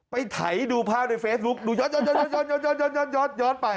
ไปถ่ายดูภาพด้วยเฟซบุ๊กดูย้อไป